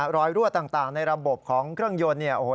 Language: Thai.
รอยรั่วต่างในระบบของเครื่องยนต์